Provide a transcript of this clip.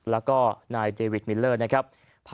แล้วก็นายเจวิกมิลเลอร์นะครับ